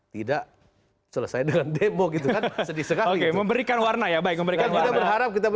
tidak selesai dengan demo gitu sedih sekali memberikan warna ya baik memberikan harap kita